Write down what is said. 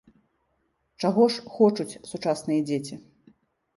Чаго ж хочуць сучасныя дзеці?